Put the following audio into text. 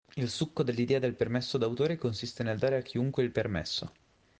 Il succo dell'idea di permesso d'autore consiste nel dare a chiunque il permesso.